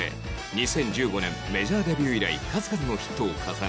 ２０１５年メジャーデビュー以来数々のヒットを重ね